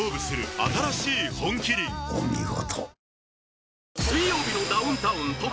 お見事。